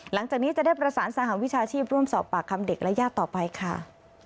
หลังจากนี้จะได้ประสานสหวิชาชีพร่วมสอบปากคำเด็กและญาติต่อไปค่ะ